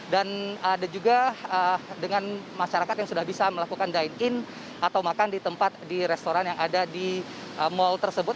dan ada juga dengan masyarakat yang sudah bisa melakukan dine in atau makan di tempat di restoran yang ada di mall tersebut